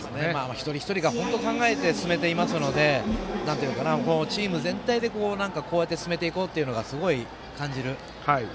一人一人が本当に考えて進めていますのでチーム全体で、こうやって進めていこうというのを感じる。